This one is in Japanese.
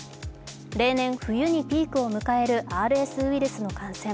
例年、冬にピークを迎えるＲＳウイルスの感染。